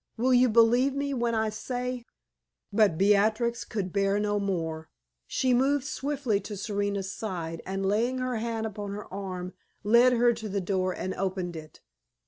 Will you believe me when I say " But Beatrix could bear no more. She moved swiftly to Serena's side, and laying her hand upon her arm, led her to the door and opened it.